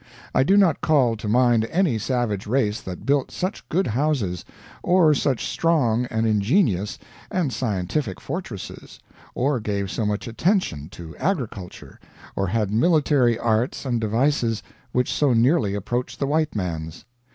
I do not call to mind any savage race that built such good houses, or such strong and ingenious and scientific fortresses, or gave so much attention to agriculture, or had military arts and devices which so nearly approached the white man's.